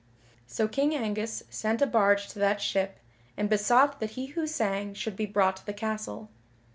So King Angus sent a barge to that ship, and besought that he who sang should be brought to the castle.